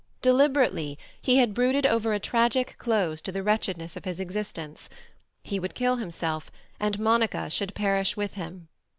Deliberately he had brooded over a tragic close to the wretchedness of his existence; he would kill himself, and Monica should perish with him.